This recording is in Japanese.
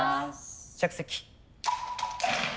着席。